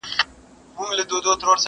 پر اسمان یې د پردیو غوبل جوړ دی!!